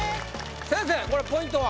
先生これポイントは？